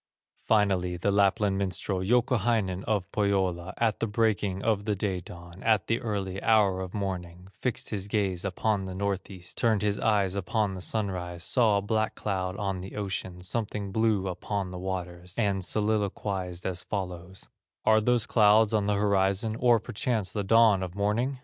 Finally the Lapland minstrel, Youkahainen of Pohyola, At the breaking of the day dawn, At the early hour of morning, Fixed his gaze upon the North east, Turned his eyes upon the sunrise, Saw a black cloud on the ocean, Something blue upon the waters, And soliloquized as follows: "Are those clouds on the horizon, Or perchance the dawn of morning?